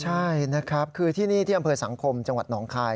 ใช่นะครับคือที่นี่ที่อำเภอสังคมจังหวัดหนองคาย